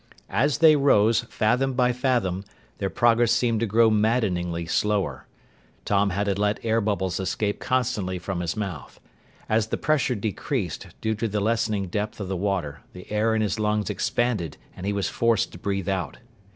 As they rose, fathom by fathom, their progress seemed to grow maddeningly slower. Tom had to let air bubbles escape constantly from his mouth. As the pressure decreased, due to the lessening depth of the water, the air in his lungs expanded and he was forced to breathe out.